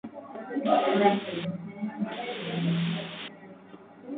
katika mazingira hayo katiba ya ailo